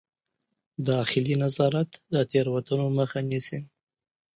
داخلي نظارت د تېروتنو مخه نیسي.